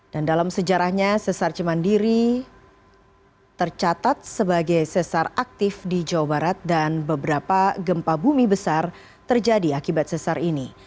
dan dalam sejarahnya sesar cimandiri tercatat sebagai sesar aktif di jawa barat dan beberapa gempa bumi besar terjadi akibat sesar ini